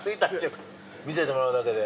見せてもらうだけで。